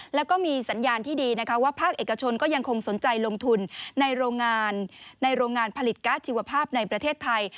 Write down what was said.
แล้วก็มีสัญญาณที่ดีนะคะว่าภาคเอกชนก็ยังคงสนใจลงทุนในโรงงานในโรงงานผลิตการ์ดชีวภาพในประเทศไทย